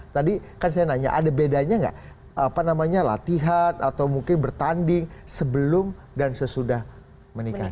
tadi kan saya nanya ada bedanya nggak apa namanya latihan atau mungkin bertanding sebelum dan sesudah menikah